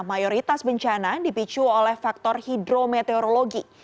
mayoritas bencana dipicu oleh faktor hidrometeorologi